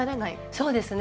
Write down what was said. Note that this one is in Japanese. そうですね。